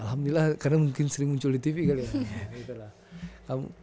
alhamdulillah karena mungkin sering muncul di tv kali ya